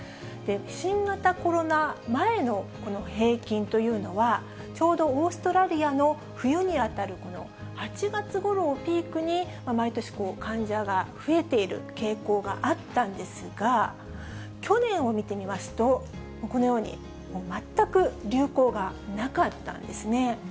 新型コロナ前のこの平均というのは、ちょうどオーストラリアの冬に当たる８月ごろをピークに、毎年、患者が増えている傾向があったんですが、去年を見てみますと、このように、全く流行がなかったんですね。